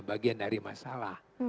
bagian dari masalah